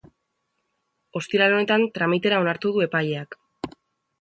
Ostiral honetan tramitera onartu du epaileak.